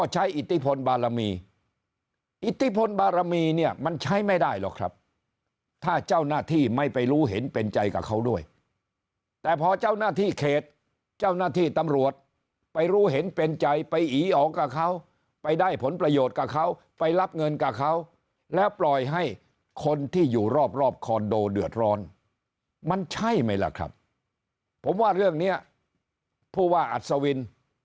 อิทธิพลบารมีอิทธิพลบารมีเนี่ยมันใช้ไม่ได้หรอกครับถ้าเจ้าหน้าที่ไม่ไปรู้เห็นเป็นใจกับเขาด้วยแต่พอเจ้าหน้าที่เขตเจ้าหน้าที่ตำรวจไปรู้เห็นเป็นใจไปอีออกกับเขาไปได้ผลประโยชน์กับเขาไปรับเงินกับเขาแล้วปล่อยให้คนที่อยู่รอบรอบคอนโดเดือดร้อนมันใช่ไหมล่ะครับผมว่าเรื่องนี้ผู้ว่าอัศวิน